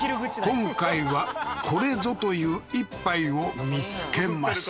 今回は「これぞ」という１杯を見つけます